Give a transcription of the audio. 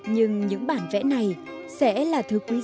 nhưng những bản vẽ này sẽ là thứ khó khăn nhất